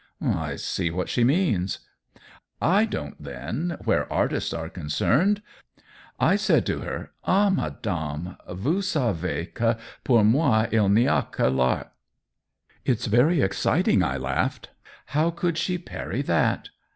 " I see what she means." "I don't, then — where artists are con cerned. I said to her, *^//, madame^ vous savez que pour mot il ny a que VartP "" It's very exciting !" I laughed. " How could she parry that